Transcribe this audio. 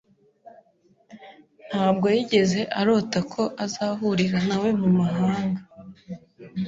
Ntabwo yigeze arota ko azahurira nawe mumahanga.